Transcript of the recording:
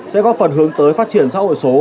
sẽ góp phần hướng tới phát triển xã hội số